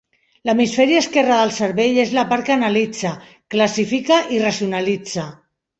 L'hemisferi esquerra del cervell és la part que analitza, classifica i racionalitza.